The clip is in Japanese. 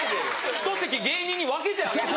ひと席芸人に分けてあげな。